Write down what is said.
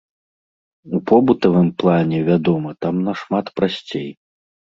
У побытавым плане, вядома, там нашмат прасцей.